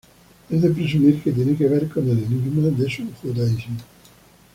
Es de presumir que tiene que ver con el enigma de su judaísmo.